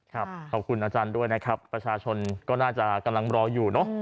ขอบคุณอาจารย์ด้วยนะครับประชาชนก็น่าจะกำลังรออยู่เนอะ